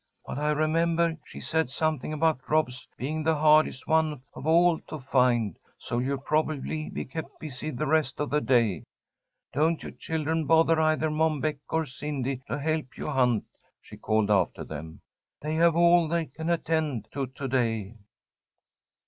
"But I remember she said something about Rob's being the hardest one of all to find, so you'll probably be kept busy the rest of the day. Don't you children bother either Mom Beck or Cindy to help you hunt," she called after them. "They have all they can attend to to day."